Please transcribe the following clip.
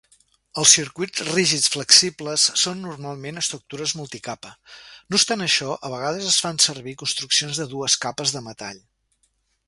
Els circuits rígid-flexibles són normalment estructures multicapa; no obstant això, a vegades es fan servir construccions de dues capes de metall.